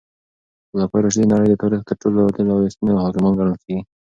خلفای راشدین د نړۍ د تاریخ تر ټولو عادل او رښتیني حاکمان ګڼل کیږي.